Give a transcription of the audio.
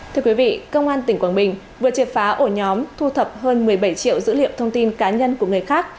thưa quý vị công an tỉnh quảng bình vừa triệt phá ổ nhóm thu thập hơn một mươi bảy triệu dữ liệu thông tin cá nhân của người khác